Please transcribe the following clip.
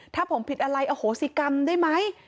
ถ้าผมผิดอะไรอโหสิกรรมได้ไหม